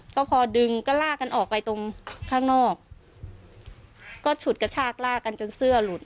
ก็พอดึงก็ลากกันออกไปตรงข้างนอกก็ฉุดกระชากลากกันจนเสื้อหลุด